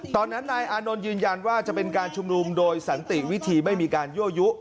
ตอนนั้นนายอานนท์ยืนยันว่าจะเป็นการชุมนุมโดยสันติวิธีไม่มีการยั่วยุ